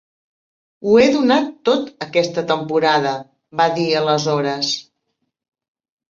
"Ho he donat tot aquesta temporada", va dir aleshores.